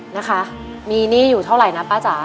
นะคะมีหนี้อยู่เท่าไหร่นะป้าจ๋า